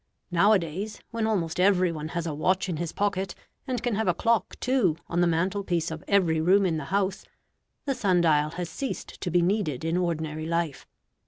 Nowadays, when almost everyone has a watch in his pocket, and can have a clock, too, on the mantel piece of every room in the house, the sun dial has ceased to be needed in ordinary life.